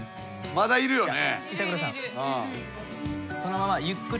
まだいるよね。